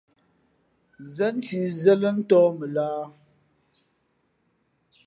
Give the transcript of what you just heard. Zénshǐ Zén lά ntōh mα lahā ?